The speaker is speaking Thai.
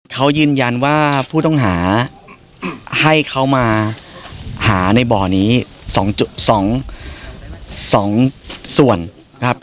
เขายืนยันว่าผู้ต้องหาให้เขามาหาในบ่อนี้๒ส่วนครับ